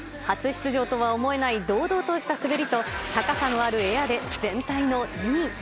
初出場とは思えない堂々とした滑りと、高さのあるエアで全体の２位。